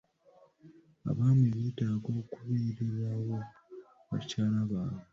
Abaami beetaaga okubeererawo bakyala baabwe.